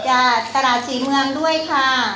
จากตลาดศรีเมืองด้วยค่ะ